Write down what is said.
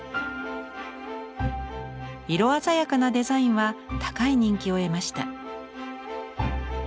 色鮮やかなデザインは高い人気を得ました。